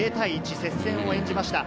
接戦を演じました。